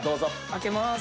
開けます。